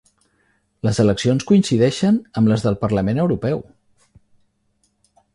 Les eleccions coincideixen amb les del Parlament Europeu.